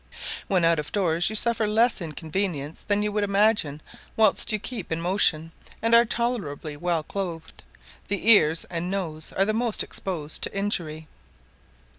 When out of doors you suffer less inconvenience than you would imagine whilst you keep in motion, and are tolerably well clothed: the ears and nose are the most exposed to injury.